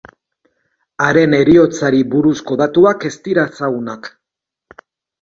Haren heriotzari buruzko datuak ez dira ezagunak.